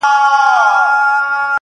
هغه نجلۍ په ما د ډيرو خلکو مخ خلاص کړئ~